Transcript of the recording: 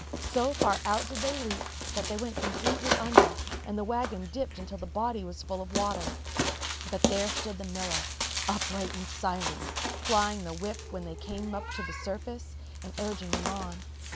So far out did they leap that they went completely under and the wagon dipped until the body was full of water. But there stood the miller, upright and silent, plying the whip when they came to the surface, and urging them on.